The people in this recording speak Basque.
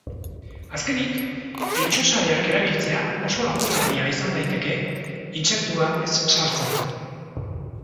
Azkenik, eltxo-sareak erabiltzea oso lagungarria izan daiteke, intsektua ez sartzeko.